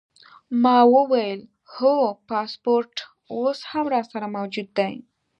ما وویل: هو، پاسپورټ اوس هم راسره موجود دی.